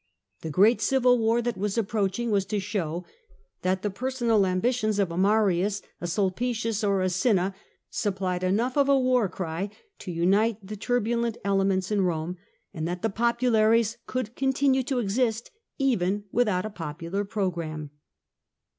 The great civil war that was approaching was to show that the personal ambitions of a Marius, a Sulpicius, or a Cinna supplied enough of a w'ar cry to unite the turbulent elements in Rome, and that the populates could continue to exist even without a popular programme.